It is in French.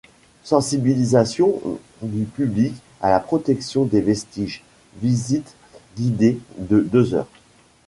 Sensibilisation du public à la protection des vestiges, visites guidées de deux heures.